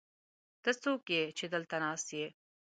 ته څوک يې، چې دلته ناست يې؟